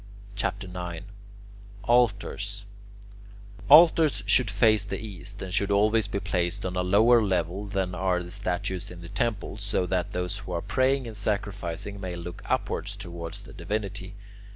CHAPTER IX ALTARS Altars should face the east, and should always be placed on a lower level than are the statues in the temples, so that those who are praying and sacrificing may look upwards towards the divinity.